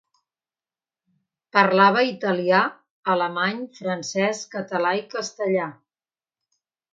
Parlava italià, alemany, francès, català i castellà.